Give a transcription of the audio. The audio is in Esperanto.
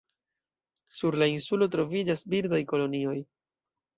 Sur la insulo troviĝas birdaj kolonioj.